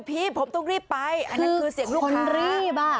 ผมต้องรีบไปเขารู้อยู่แล้วว่าขับรับแน่